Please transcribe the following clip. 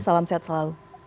salam sehat selalu